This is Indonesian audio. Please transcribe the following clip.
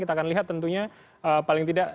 kita akan lihat tentunya paling tidak